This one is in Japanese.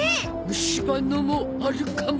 虫歯のもあるかも。